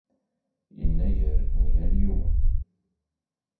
Yennayer n yal yiwen.